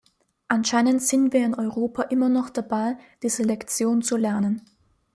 Anscheinend sind wir in Europa immer noch dabei, diese Lektion zu lernen.